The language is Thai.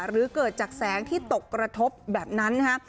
หรือเกิดจากแสงที่ตกกระทบแบบนั้นนะครับ